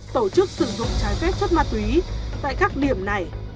tổ chức sử dụng trái phép chất ma túy tại các điểm này